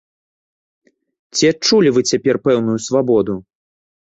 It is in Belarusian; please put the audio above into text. Ці адчулі вы цяпер пэўную свабоду?